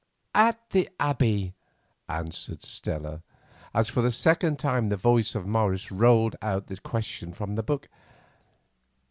"At the Abbey," answered Stella, as for the second time the voice of Morris rolled out the question from the Book.